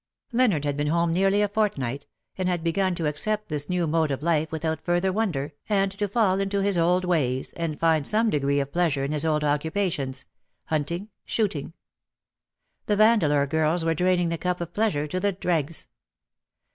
Leonard had been home nearly a fortnight, and had begun to accept this new mode of life without further wonder, and to fall into his old ways, and find some degree of pleasure in his old occupations — hunting, shooting. The Vandeleur girls were draining the cup of pleasure to the dregs.